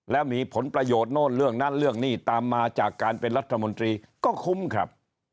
แล้วมีผลประโยชน์โน่นเรื่องนั้นเรื่องนี้ตามมาจากการเป็นรัฐมนตรีก็คุ้มครับ